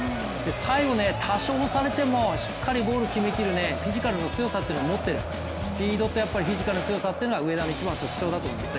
最後、多少押されてもしっかりゴール決めきるフィジカルの強さを持っている、スピードとフィジカルの強さは上田の一番の特徴だと思います。